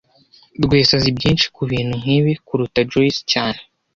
Rwesa azi byinshi kubintu nkibi kuruta Joyce cyane